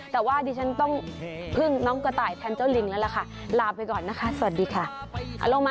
แต่ว่าอันนี้ฉันต้องพึ่งน้องกระต่ายแทนเจ้าลิงแล้วล่ะค่ะ